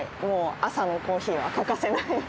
もう朝のコーヒーは欠かせない。